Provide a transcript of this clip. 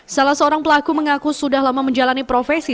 salah seorang pelaku mengaku sudah lama menjalani profesi